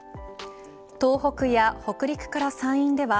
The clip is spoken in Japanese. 東北や北陸から山陰では